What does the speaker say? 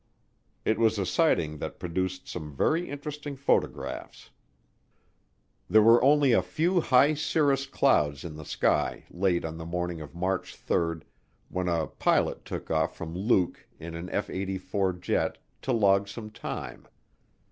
It was a sighting that produced some very interesting photographs. There were only a few high cirrus clouds in the sky late on the morning of March 3 when a pilot took off from Luke in an F 84 jet to log some time.